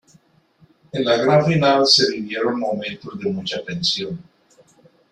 En la gran final se vivieron momentos de mucha tensión.